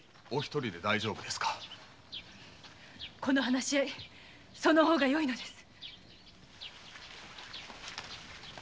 この話し合いその方がよいのです。